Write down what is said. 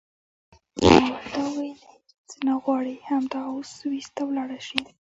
ما ورته وویل هېڅ نه غواړې همدا اوس سویس ته ولاړه شې.